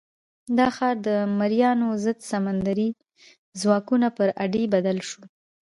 دا ښار د مریانو ضد سمندري ځواکونو پر اډې بدل شو.